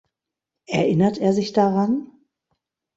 Erinnert er sich daran?